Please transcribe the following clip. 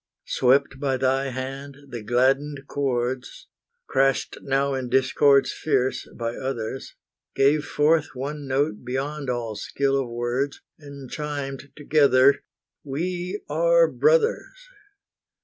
Swept by thy hand, the gladdened chords, Crashed now in discords fierce by others, Gave forth one note beyond all skill of words, And chimed together, We are brothers.